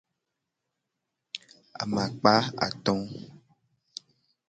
Amakpa ato.